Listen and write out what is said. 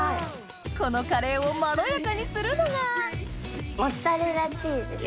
このカレーをまろやかにするのがモッツァレラチーズです。